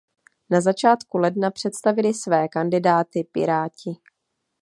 Na začátku ledna představili své kandidáty Piráti.